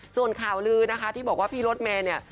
ส่วนข่าวลือนะคะที่บอกว่าพี่รถเมย์เนี่ย